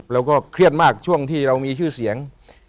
เราก็เครียดมากช่วงที่เรามีชื่อเสียง